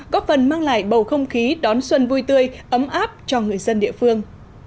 góp phần mang lại bầu không khí đón xuân vui tươi ấm áp cho người dân địa phương